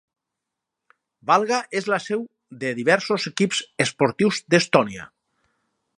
Valga és la seu de diversos equips esportius d'Estònia.